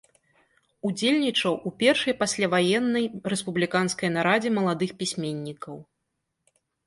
Удзельнічаў у першай пасляваеннай рэспубліканскай нарадзе маладых пісьменнікаў.